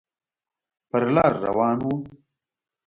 پر لار روان و.